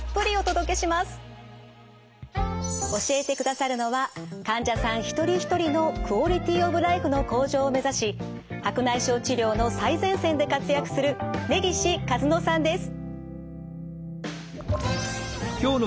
教えてくださるのは患者さん一人一人のクオリティー・オブ・ライフの向上を目指し白内障治療の最前線で活躍する根岸一乃さんです。